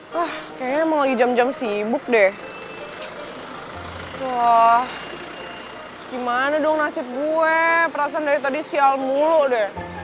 wah kayaknya emang lagi jam jam sibuk deh wah gimana dong nasib gue perasaan dari tadi sial mulu deh